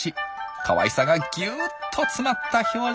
かわいさがギュッと詰まった表情。